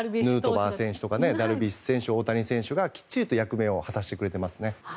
ヌートバー選手とかダルビッシュ選手、大谷選手がきっちりと役目を果たしてくれていますね。